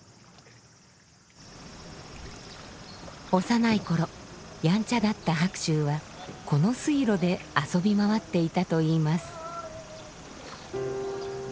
幼い頃やんちゃだった白秋はこの水路で遊び回っていたといいます。